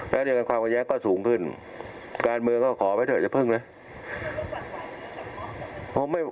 และเรียกกันความกันแย้งก็สูงขึ้นการเมืองก็ขอไว้เถอะจะเพิ่งเลย